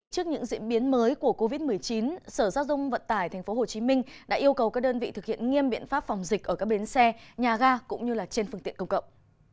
trước những diễn biến mới của covid một mươi chín sở giao thông vận tải tp hcm đã yêu cầu các đơn vị thực hiện nghiêm biện pháp phòng dịch ở các bến xe nhà ga cũng như trên phương tiện công cộng